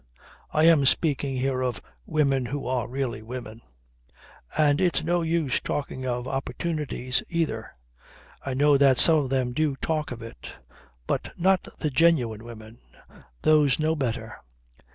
I am speaking here of women who are really women. And it's no use talking of opportunities, either. I know that some of them do talk of it. But not the genuine women. Those know better.